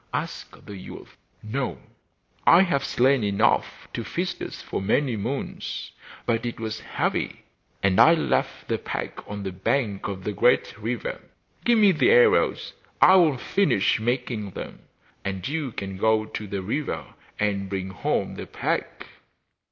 asked the youth. 'No; I have slain enough to feast us for many moons, but it was heavy, and I left the pack on the bank of the great river. Give me the arrows, I will finish making them, and you can go to the river and bring home the pack!